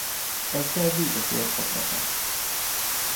Ezzel végett ért a csata.